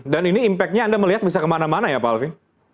dan ini impactnya anda melihat bisa kemana mana ya pak alfi